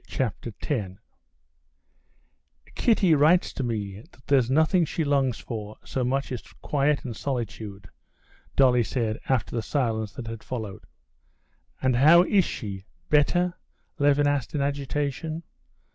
Chapter 10 "Kitty writes to me that there's nothing she longs for so much as quiet and solitude," Dolly said after the silence that had followed. "And how is she—better?" Levin asked in agitation.